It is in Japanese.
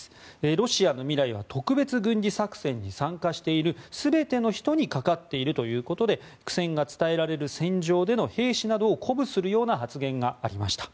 ロシアの未来は特別軍事作戦に参加している全ての人にかかっているということで苦戦が伝えられる戦場の兵士を鼓舞するような発言がありました。